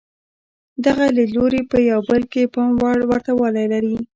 دغه لیدلوري په یو بل کې پام وړ ورته والی لري.